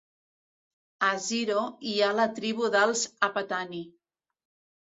A Ziro hi ha la tribu dels Apatani.